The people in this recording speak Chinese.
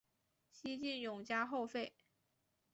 西晋永嘉后废。